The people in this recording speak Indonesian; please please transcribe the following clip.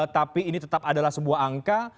tapi ini tetap adalah sebuah angka